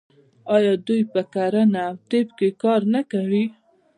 آیا دوی په کرنه او طب کې کار نه کوي؟